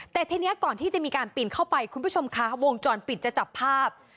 แต่ทีนี้ก่อนที่จะมีการปีนเข้าไปคุณผู้ชมคะวงจรปิดจะจับภาพ